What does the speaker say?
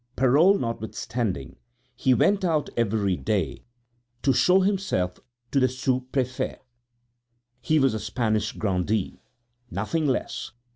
Parole notwithstanding he went out every day to show himself to the sous préfet. He was a Spanish grandee! Nothing less!